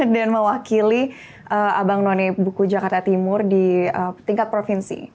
dan mewakili abang noni buku jakarta timur di tingkat provinsi